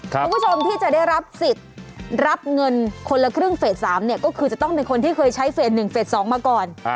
คุณผู้ชมที่จะได้รับสิทธิ์รับเงินคนละครึ่งเฟส๓เนี่ยก็คือจะต้องเป็นคนที่เคยใช้เฟส๑เฟส๒มาก่อน